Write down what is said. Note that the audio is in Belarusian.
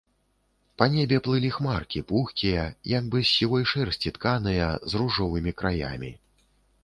Па небе плылі хмаркі, пухкія, як бы з сівой шэрсці тканыя, з ружовымі краямі.